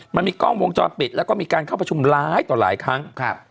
มันมีกล้องวงจรปิดแล้วก็มีการเข้าประชุมร้ายต่อหลายครั้ง